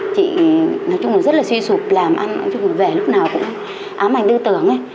chị nói chung là rất là suy sụp làm ăn nói chung là vẻ lúc nào cũng ám ảnh tư tưởng ấy